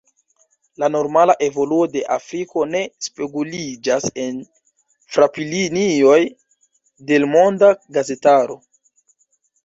La normala evoluo de Afriko ne speguliĝas en fraplinioj de l’ monda gazetaro.